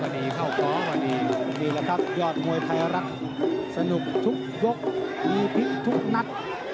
มีพลิกทุกนัด